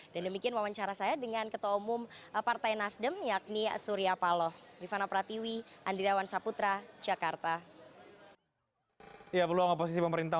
dan demikian wawancara saya dengan ketua umum partai nasudah